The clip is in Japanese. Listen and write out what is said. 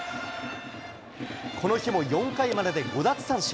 この日も４回までで５奪三振。